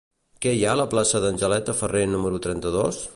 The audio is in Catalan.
Què hi ha a la plaça d'Angeleta Ferrer número trenta-dos?